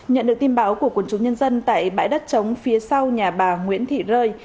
nhận được tin báo của quân chúng nhân dân tại bãi đất trống phía sau nhà bà nguyễn thị rơi